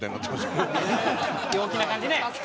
陽気な感じね。